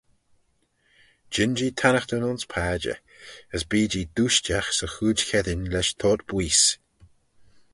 Jean-jee tannaghtyn ayns padjer; as bee-jee dooishtagh 'sy chooid cheddin lesh toyrt-booise.